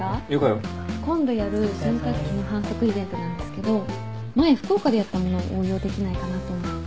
今度やる洗濯機の販促イベントなんですけど前福岡でやったものを応用できないかなと思って。